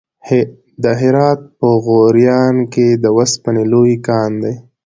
د هرات په غوریان کې د وسپنې لوی کان دی.